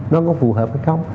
nó có phù hợp hay không